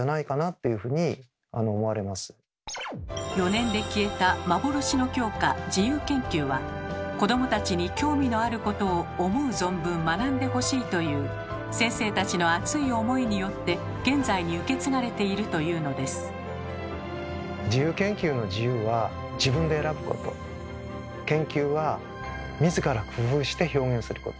４年で消えた幻の教科「自由研究」は「子どもたちに興味のあることを思う存分学んでほしい！」という先生たちの熱い思いによって現在に受け継がれているというのです。ということでここからは全国のまずは小学５年生だった岡水開